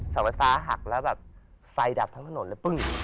สวรรค์ภาคหักแล้วแบบไฟดับทั้งถนนเลยปึ้ง